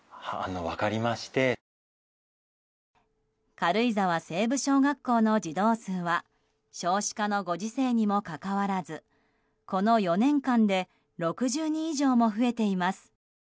軽井沢西部小学校の児童数は少子化のご時世にもかかわらずこの５年間で６０人以上も増えています。